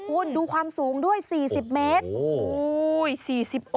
คุณดูความสูงด้วย๔๐เมตร